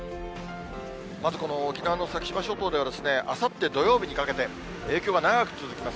まずこの沖縄の先島諸島では、あさって土曜日にかけて、影響が長く続きます。